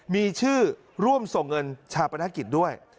มีชื่อร่วมส่งเงินชาปนกิจด้วย